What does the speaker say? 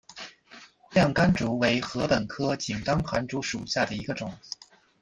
亮竿竹为禾本科井冈寒竹属下的一个种。